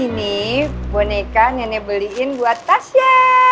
ini boneka nenek beliin buat tasya